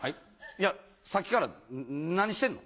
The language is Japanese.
いやさっきから何してんの？